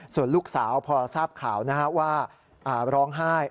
ส่วนลูกสาวพอทราบข่าวว่าร้องไห้